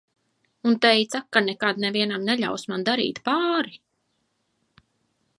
Un teica, ka nekad nevienam neļaus man darīt pāri.